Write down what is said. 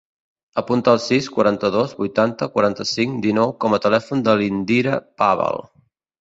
Apunta el sis, quaranta-dos, vuitanta, quaranta-cinc, dinou com a telèfon de l'Indira Pavel.